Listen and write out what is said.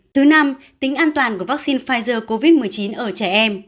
thứ năm tính an toàn của vaccine pfizer covid một mươi chín ở trẻ em